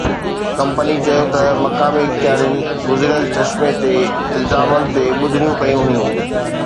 company چيو ته مقامي اختيارين گذريل چشمي تي الزامن تي ٻڌڻيون ڪيون هيون